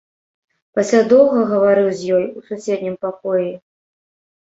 Пасля доўга гаварыў з ёй у суседнім пакоі.